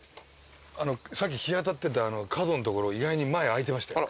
さっき日当たってた角んところ意外に前空いてましたよ。